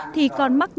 thì còn mắc nhiễm